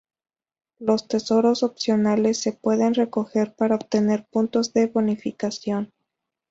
Los tesoros opcionales se pueden recoger para obtener puntos de bonificación.